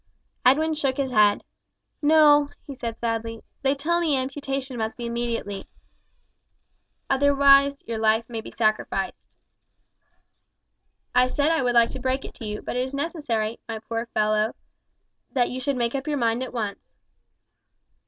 Edwin shook his head. "No," he said sadly, "they tell me amputation must be immediate, else your life may be sacrificed. I said I would like to break it to you, but it is necessary, my poor fellow, that you should make up your mind at once."